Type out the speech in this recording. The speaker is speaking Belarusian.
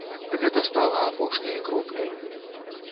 Гэта стала апошняй кропляй.